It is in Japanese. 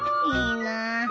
いいなあ。